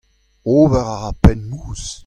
Ober a ra penn mouzh.